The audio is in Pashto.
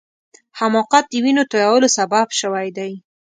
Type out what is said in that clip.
حماقت د وینو تویولو سبب سوی دی.